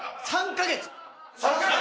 ３カ月？